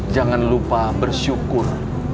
jangan lupa bersyukur